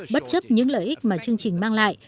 bất chấp những lợi ích mà chương trình mang lại